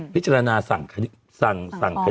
พิจารณาสั่งฟ้อง